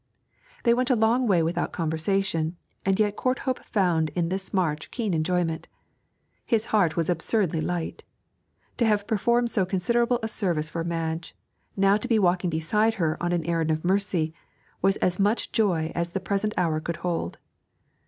They went a long way without conversation, and yet Courthope found in this march keen enjoyment. His heart was absurdly light. To have performed so considerable a service for Madge, now to be walking beside her on an errand of mercy, was as much joy as the present hour could hold.